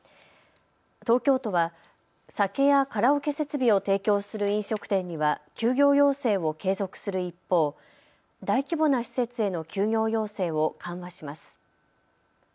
東京都は酒やカラオケ設備を提供する飲食店には休業要請を継続する一方、大規模な施設への休業要請を緩和します。